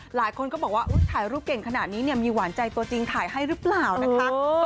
หลายคนก็บอกว่าถ่ายรูปเก่งขนาดนี้เนี่ยมีหวานใจตัวจริงถ่ายให้หรือเปล่านะคะ